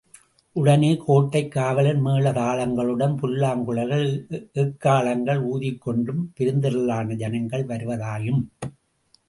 உடனே கோட்டைக் காவலன், மேள தாளங்களுடனும் புல்லாங்குழல்கள், எக்காளங்கள் ஊதிக்கொண்டும் பெருந்திரளான ஜனங்கள் வருவதாயும்.